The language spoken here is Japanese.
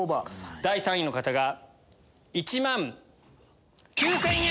第３位の方が１万９０００円！